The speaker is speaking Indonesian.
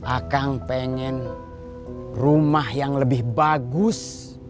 akang pengen rumah yang lebih bagus